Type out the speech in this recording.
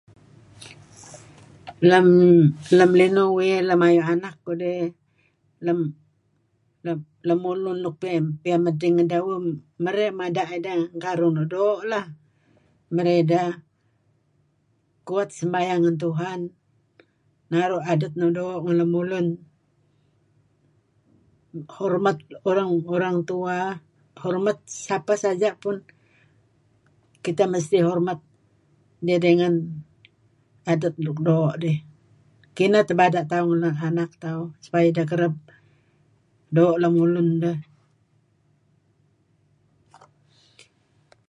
Lem linuh uih lem ayu' anak kudih lem lem lemulun luk piyan medting ngedah, merey mada' ideh karuh nuk doo' lah, merey ideh kuat sembayang ngen Tuhan , naru' adet nuk doo' ngen lemulun, homat orang tua, hormat siapa saja pun, kita mesti hormat dia dengan adet luk doo' dih. Kineh tebada' tauh ngen anak tauh supaya ideh kereb doo' lem ulun deh.